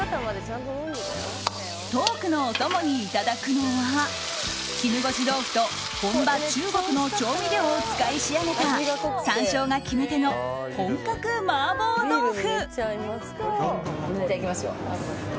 トークのお供にいただくのは絹ごし豆腐と本場中国の調味料を使い仕上げた山椒が決め手の本格麻婆豆腐。